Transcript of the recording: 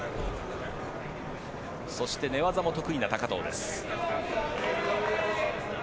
そして、寝技も得意な高藤です。